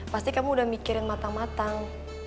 pasti kamu udah mikir yang matang matang